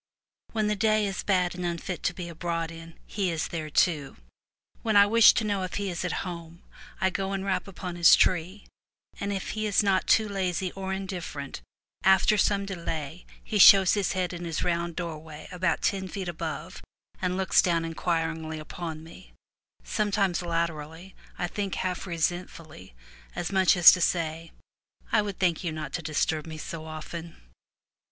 When the day is bad and unfit to be abroad in, he is there too. When I wish to know if he is at home, I go and rap upon his tree, and, if he is not too lazy or indifferent, after some delay he shows his head in his 260 FROM THE TOWER WINDOW round doorway about ten feet above, and looks down inquiringly upon me — sometimes latterly I think half resentfully, as much as to say, " I would thank you not to disturb me so often."